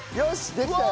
できたよ。